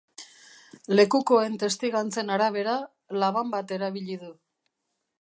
Lekukoen testigantzen arabera, laban bat erabili du.